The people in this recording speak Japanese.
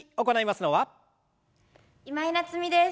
今井菜津美です。